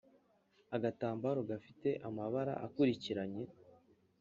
agatambaro gafite amabara akurikiranye.